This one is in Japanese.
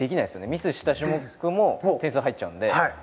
ミスした種目も点数が入っちゃうので。